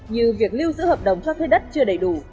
như việc lưu giữ hợp đồng cho thuê đất chưa đầy đủ